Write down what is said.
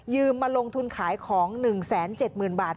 มาลงทุนขายของ๑๗๐๐๐บาท